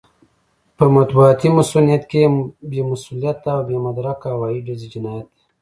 په مطبوعاتي مصؤنيت کې بې مسووليته او بې مدرکه هوايي ډزې جنايت دی.